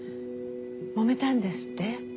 もめたんですって？